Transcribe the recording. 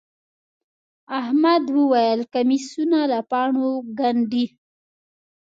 احمد وويل: کمیسونه له پاڼو گنډي.